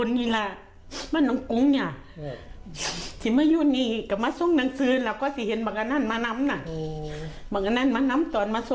๖ปีแล้ว๖๑๐ปีนี่ล่ะ